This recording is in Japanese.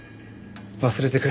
忘れてくれ。